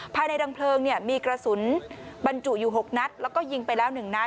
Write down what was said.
ภายในดังเพลิงเนี่ยมีกระสุนบรรจุอยู่๖นัดแล้วก็ยิงไปแล้ว๑นัด